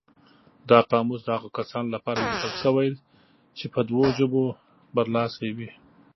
دا قاموس د هغو کسانو لپاره لیکل شوی چې په دوو ژبو برلاسي وي.